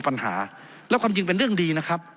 ปัญหาแล้วความจริงเป็นเรื่องดีนะครับ